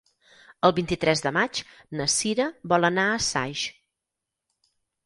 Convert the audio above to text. El vint-i-tres de maig na Cira vol anar a Saix.